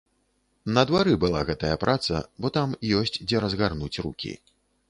На двары была гэтая праца, бо там ёсць дзе разгарнуць рукі.